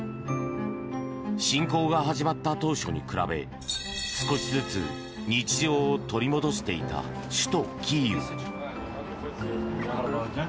侵攻が始まった当初に比べ少しずつ日常を取り戻していた首都キーウ。